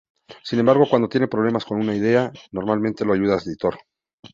Sin embargo, cuando tiene problemas con una idea, normalmente lo ayuda su editor.